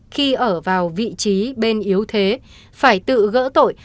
khi ở vào vị trí bên yếu thế phải tự gỡ tội